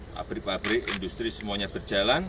pabrik pabrik industri semuanya berjalan